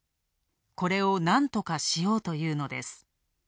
これをなんとかしようというのです。